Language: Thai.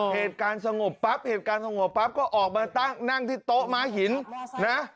เหตุการณ์สงบปั๊บเหตุการณ์สงบปั๊บก็ออกมาตั้งนั่งที่โต๊ะม้าหินนะ